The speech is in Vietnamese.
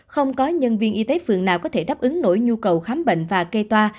không có nhân viên y tế phường nào có thể đáp ứng nổi nhu cầu khám bệnh và kê toa